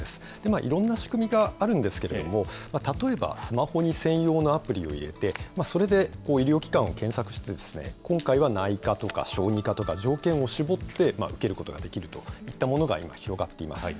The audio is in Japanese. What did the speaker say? いろんな仕組みがあるんですけれども、例えばスマホに専用のアプリを入れて、それで医療機関を検索して、今回は内科とか小児科とか、条件を絞って、受けることができるといったものが今、広がっています。